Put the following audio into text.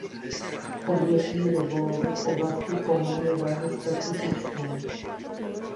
Odvětví rybolovu v oblasti Komor je velmi specifické.